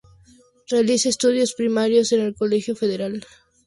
Realiza estudios primarios en el Colegio Federal de Coro.